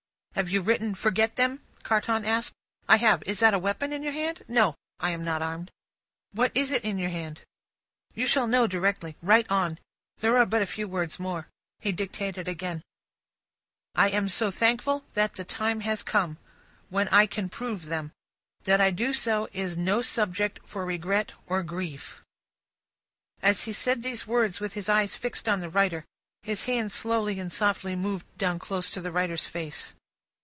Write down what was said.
"Have you written 'forget them'?" Carton asked. "I have. Is that a weapon in your hand?" "No; I am not armed." "What is it in your hand?" "You shall know directly. Write on; there are but a few words more." He dictated again. "'I am thankful that the time has come, when I can prove them. That I do so is no subject for regret or grief.'" As he said these words with his eyes fixed on the writer, his hand slowly and softly moved down close to the writer's face.